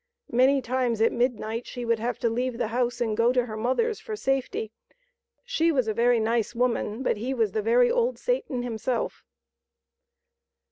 Many times at midnight she would have to leave the house and go to her mother's for safety; she was a very nice woman, but he was the very old Satan himself."